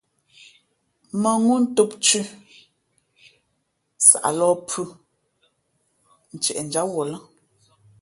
Mᾱŋú tōm thʉ̄, nsaʼ lōh pūh, ntieʼ njǎm wuα lά.